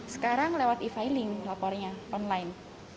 sekarang lewat e filling laporannya online